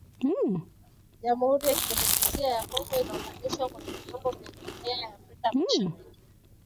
jamuhuri ya kidemokrasia ya Kongo inaunganishwa kwenye vyombo vya jumuiya ya Afrika mashariki